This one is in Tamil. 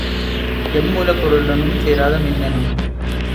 எம் மூலக்கூறுடனும் சேராத மின்னணு.